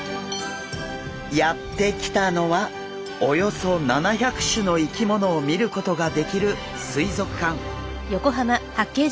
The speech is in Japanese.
やって来たのはおよそ７００種の生き物を見ることができる水族館。